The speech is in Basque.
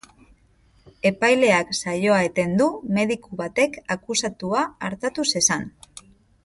Epaileak saioa eten du, mediku batek akusatua artatu zezan.